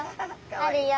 あるよ。